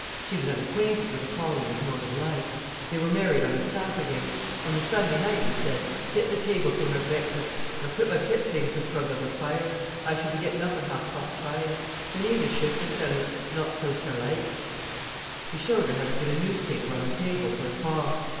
She was unacquainted with a collier's mode of life. They were married on a Saturday. On the Sunday night he said: "Set th' table for my breakfast, an' put my pit things afront o' th' fire. I s'll be gettin' up at ha'ef pas' five. Tha nedna shift thysen not till when ter likes." He showed her how to put a newspaper on the table for a cloth.